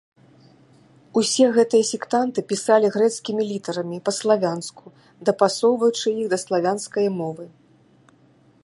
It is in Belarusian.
Усе гэтыя сектанты пісалі грэцкімі літарамі па-славянску, дапасоўваючы іх да славянскай мовы.